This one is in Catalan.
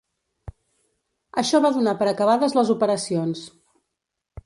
Això va donar per acabades les operacions.